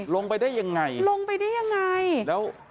ลงไปได้อย่างไรลงไปได้อย่างไรแล้ว